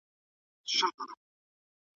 روغتیایي خدمات څنګه ښه کیدلای سي؟